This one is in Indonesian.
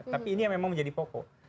tapi ini yang memang menjadi pokok